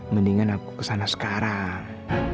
mendingan aku kesana sekarang